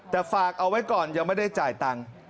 แต่ฝากเอาไว้ก่อนยังไม่ได้จ่ายตังค์